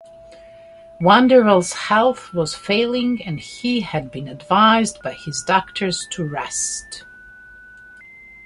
Vandervell's health was failing and he had been advised by his doctors to rest.